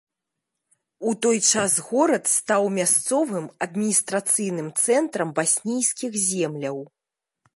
У той час горад стаў мясцовым адміністрацыйным цэнтрам баснійскіх земляў.